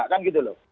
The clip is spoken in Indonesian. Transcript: kan gitu loh